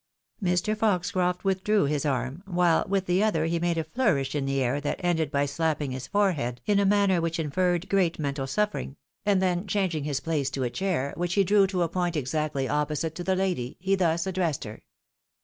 Mr. Foxcroft withdrew his arm, whUe with the other he made a flourish in the air that ended by slapping his forehead in a manner which inferred great mental suffering, and then changing his place to a chair, which he drew to a point exactly opposite to the lady, he thus addressed her.